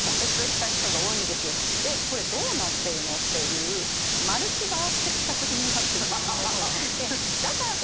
「えっこれどうなってるの？」っていうマルチバース的作品になってるんですね。